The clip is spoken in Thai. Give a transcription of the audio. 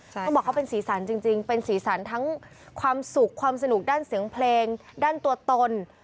เขาบอกเขาเป็นสีสันจริงเป็นสีสันทั้งความสุขความสนุกด้านเสียงเพลงด้านตัวตน